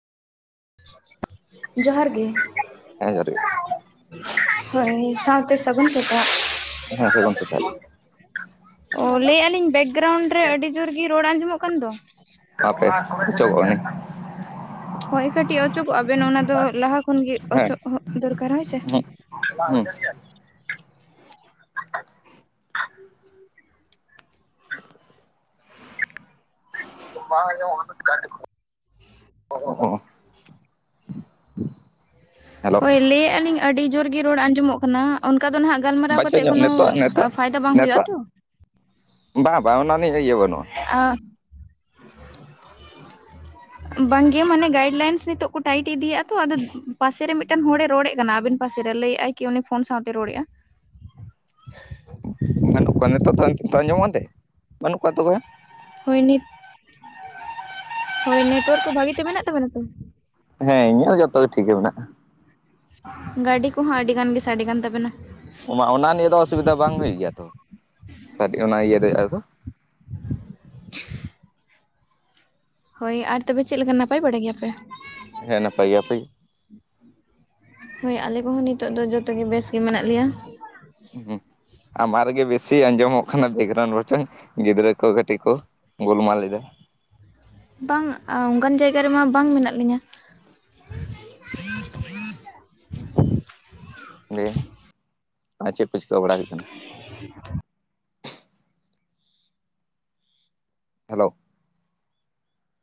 ᱡᱚᱦᱟᱨ ᱜᱮ᱾ ᱦᱮᱸ ᱡᱚᱦᱟᱨ ᱜᱮ ᱦᱳᱭ ᱥᱟᱶᱛᱮ ᱥᱟᱹᱜᱩᱱ ᱥᱮᱛᱟᱜ᱾ ᱦᱮᱸ ᱥᱟᱹᱜᱩᱱ ᱥᱮᱛᱟᱜ ᱚ ᱞᱟᱹᱭᱮᱜᱼᱟ ᱞᱤᱧ ᱵᱮᱜᱨᱟᱣᱩᱱᱰ ᱨᱮ ᱟᱹᱰᱤ ᱡᱳᱨᱜ ᱜᱤ ᱨᱚᱲ ᱟᱸᱡᱚᱢᱚᱜ ᱠᱟᱱ ᱫᱚ᱾ ᱦᱟᱯᱮ ᱚᱪᱚᱜᱚᱼᱟ ᱞᱤᱧ᱾ ᱦᱳᱭ ᱠᱟᱹᱴᱤᱡ ᱚᱪᱚᱜᱚᱜᱼᱟ ᱵᱮᱱ ᱚᱱᱟ ᱫᱚ ᱞᱟᱦᱟ ᱠᱷᱚᱱ ᱜᱮ ᱚᱪᱚᱜ ᱦᱚᱜ ᱫᱚᱨᱠᱟᱨ ᱦᱳᱭ ᱥᱮ ᱵᱟᱝ [unintelligible] ᱵᱟᱝ ᱟᱸᱡᱚᱢᱚᱜ ᱠᱟᱱᱟ [inaudible] ᱦᱮᱞᱳ ᱦᱳᱭ ᱞᱟᱹᱭᱮᱜᱼᱟ ᱞᱤᱧ ᱟᱹᱰᱤ ᱡᱳᱨ ᱜᱮ ᱨᱚᱲ ᱟᱸᱡᱚᱢᱚᱜ ᱠᱟᱱᱟ ᱚᱱᱠᱟ ᱫᱚ ᱱᱟᱦᱟᱜ ᱜᱟᱞᱢᱟᱨᱟᱣ ᱵᱟᱪᱚ ᱠᱟᱛᱮᱜ ᱧᱚᱜ ᱠᱳᱱᱚ ᱱᱤᱛᱚᱜ ᱱᱤᱛᱚᱜ ᱯᱷᱟᱭᱫᱟ ᱵᱟᱝ ᱦᱳᱭᱳᱜᱼᱟ ᱛᱚ᱾ ᱵᱟ ᱵᱟ ᱚᱱᱟ ᱱᱤ ᱤᱭᱟᱹ ᱵᱟᱹᱱᱩᱜᱼᱟ᱾ ᱟ ᱵᱟᱝᱜᱮ ᱢᱟᱱᱮ ᱜᱟᱭᱤᱰ ᱞᱟᱭᱤᱱ ᱱᱤᱛᱚᱜ ᱠᱩ ᱴᱟᱭᱤᱴ ᱤᱫᱤᱭ ᱮᱜᱼᱟ ᱛᱚ ᱟᱫᱚ ᱯᱟᱥᱮᱨᱮ ᱢᱤᱜᱴᱟᱝ ᱦᱚᱲᱮ ᱨᱚᱲᱮᱜ ᱟᱱᱟ ᱟᱵᱮᱱ ᱯᱟᱥᱮᱨᱮ ᱞᱟᱹᱭᱮᱜᱼᱟᱭ ᱠᱤ ᱩᱱᱤ ᱯᱷᱳᱱ ᱥᱟᱶᱛᱮ ᱨᱚᱲᱮᱜᱼᱟ᱾ ᱵᱟᱹᱱᱩᱜ ᱠᱚᱣᱟ ᱱᱤᱛᱳᱜ ᱛᱚᱜ ᱛᱚ ᱟᱸᱡᱚᱢᱚᱜᱼᱟ ᱠᱟᱱᱛᱮ ᱵᱟᱹᱱᱩᱜ ᱠᱚᱣᱟ ᱛᱚ ᱚᱠᱚᱭ ᱦᱟᱸ ᱦᱳᱭ ᱱᱤᱛ ᱦᱳᱭ ᱱᱮᱴᱣᱟᱨᱠ ᱠᱚ ᱵᱷᱟᱜᱤᱛᱮ ᱢᱮᱱᱟᱜ ᱛᱟᱵᱚᱱᱟ ᱛᱚ? ᱦᱮᱸ ᱤᱧᱟᱹᱜ ᱫᱚ ᱡᱚᱛᱚ ᱜᱮ ᱴᱷᱤᱠ ᱜᱮ ᱢᱮᱱᱟᱜᱼᱟ᱾ ᱜᱟᱹᱰᱤ ᱠᱚᱦᱚᱸ ᱟᱹᱰᱤᱜᱟᱱ ᱜᱮ ᱥᱟᱰᱮ ᱠᱟᱱ ᱛᱟᱵᱮᱱᱟ᱾ ᱚᱢᱟ ᱚᱱᱟ ᱱᱤᱭᱟᱹᱫᱚ ᱚᱥᱩᱵᱤᱫᱷᱟ ᱵᱟᱝ ᱦᱩᱭᱩᱜ ᱜᱮᱭᱟ ᱛᱚ ᱥᱟᱰᱤ ᱟᱱᱟ ᱤᱭᱟᱹ ᱨᱮᱭᱟᱜ ᱫᱚ᱾ [unintelligible] ᱦᱳᱭ ᱟᱨ ᱛᱚᱵᱮ ᱪᱮᱜ ᱞᱮᱠᱟ ᱱᱟᱯᱟᱭ ᱵᱟᱲᱟ ᱜᱮᱭᱟᱯᱮ? ᱦᱮᱸ ᱱᱟᱯᱟᱭ ᱜᱮ ᱟᱯᱮ ᱜᱮ? ᱦᱳᱭ ᱟᱞᱮ ᱠᱚᱦᱚᱸ ᱱᱤᱛᱚᱜ ᱫᱚ ᱡᱚᱛᱚᱜᱮ ᱵᱮᱥ ᱜᱮ ᱢᱮᱱᱟᱜ ᱞᱮᱭᱟ᱾ ᱦᱩ ᱟᱢᱟᱜ ᱨᱮᱜᱮ ᱵᱮᱥᱤ ᱟᱸᱡᱚᱢᱚᱜ ᱠᱟᱱᱟ ᱵᱮᱜᱨᱟᱣᱩᱱᱰ ᱵᱚᱨᱪᱚᱝ ᱜᱤᱫᱽᱨᱟᱹ ᱠᱚ ᱠᱟᱹᱴᱤᱜ ᱠᱚ ᱜᱳᱞᱢᱟᱞ ᱧᱚᱜ [unintelligible] ᱵᱟᱝ ᱟ ᱚᱝᱠᱟᱱ ᱡᱟᱭᱜᱟ ᱨᱮᱢᱟ ᱵᱟᱝ ᱢᱮᱱᱟᱜ ᱞᱤᱧᱟ᱾ ᱫᱤᱭᱮ ᱟ ᱪᱮᱜ ᱯᱮ ᱪᱤᱠᱟ ᱵᱟᱲᱟᱭ ᱦᱩᱭᱩᱜ ᱠᱟᱱᱟ? [unintelligible] ᱦᱮᱞᱳ